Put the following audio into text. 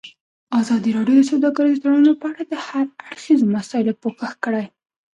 ازادي راډیو د سوداګریز تړونونه په اړه د هر اړخیزو مسایلو پوښښ کړی.